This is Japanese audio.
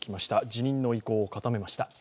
辞任の意向を固めました。